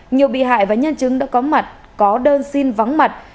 nhiều bị hại và nhân chứng đã có mặt có đơn xin vắng mặt